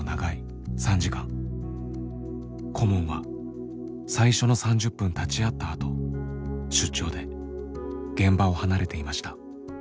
顧問は最初の３０分立ち会ったあと出張で現場を離れていました。